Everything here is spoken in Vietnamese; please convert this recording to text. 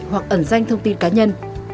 hoặc ẩn danh thông tin cá nhân